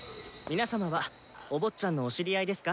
皆様はお坊ちゃんのお知り合いですか？